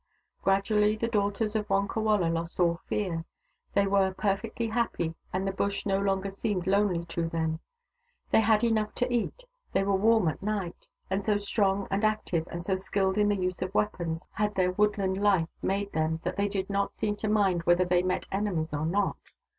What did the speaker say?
Gradually the daughters of Wonkawala lost all fear. They were perfectly happy, and the Bush no longer seemed lonely to them ; they had enough to eat, they were warm at night, and so strong and active, and so skilled in the use of weapons, had THE DAUGHTERS OF VVONKAWALA 171 their woodland life made them, that they did not seem to mind whether they met enemies or not.